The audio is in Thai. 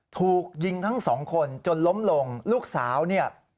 ถูกยิงทั้งสองคนจนล้มลงลูกสาวเนี่ย